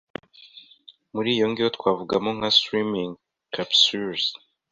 Muri yo twavugamo nka Slimming Capsules,